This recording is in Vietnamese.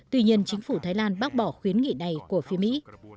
tuy nhiên chính phủ thái lan bác bỏ khuyến nghị này của phía mỹ